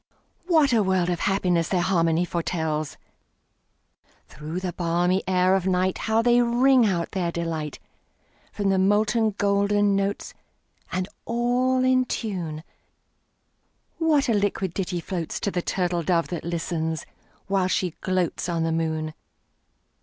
What a world of happiness their harmony foretells! Through the balmy air of nightHow they ring out their delight! From the molten golden notes, And all in tune, What a liquid ditty floatsTo the turtle dove that listens, while she gloatsOn the moon!